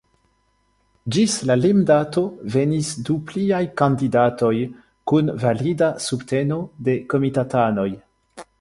Ĝis la limdato venis du pliaj kandidatoj, kun valida subteno de komitatanoj.